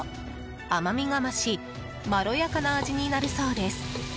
甘みが増しまろやかな味になるそうです。